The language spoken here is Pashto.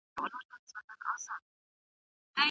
ډېری ځوانان غواړي چي سياستپوهنه د خپل مسلک په توګه وټاکي.